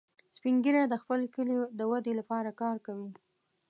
سپین ږیری د خپل کلي د ودې لپاره کار کوي